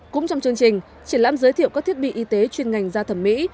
cũng trong chương trình triển lãm giới thiệu các thiết bị y tế chuyên ngành da thẩm mỹ